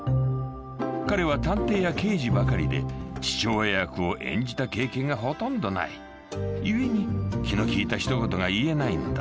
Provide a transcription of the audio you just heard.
［彼は探偵や刑事ばかりで父親役を演じた経験がほとんどない］［故に気の利いた一言が言えないのだ］